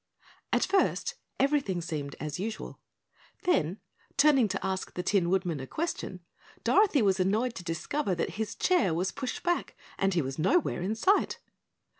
At first, everything seemed as usual. Then, turning to ask the Tin Woodman a question, Dorothy was annoyed to discover that his chair was pushed back and he was nowhere in sight.